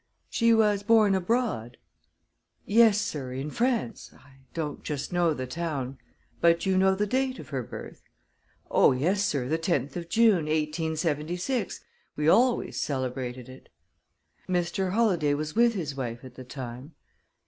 "She was born abroad?" "Yes, sir; in France. I don't just know the town." "But you know the date of her birth?" "Oh, yes, sir the tenth of June, eighteen seventy six we always celebrated it." "Mr. Holladay was with his wife at the time?"